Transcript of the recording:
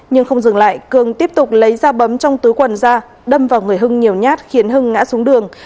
nhưng không dừng lại cường tiếp tục lấy dao bấm trong túi quần ra đâm vào người hưng nhiều nhát khiến hưng ngã xuống đường